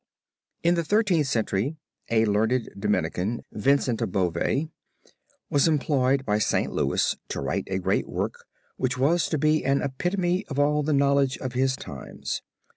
In the Thirteenth Century a learned Dominican, Vincent of Beauvais, was employed by St. Louis to write a great work which was to be an epitome of all the knowledge of his times.